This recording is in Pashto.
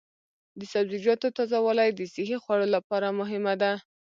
د سبزیجاتو تازه والي د صحي خوړو لپاره مهمه ده.